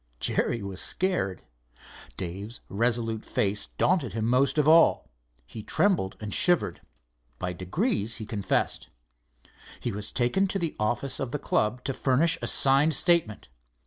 Jerry was scared. Dave's resolute face daunted him most of all. He trembled and shivered. By degrees he confessed. He was taken to the office of the club to furnish a signed statement.